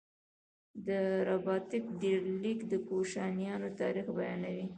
د رباتک ډبرلیک د کوشانیانو تاریخ بیانوي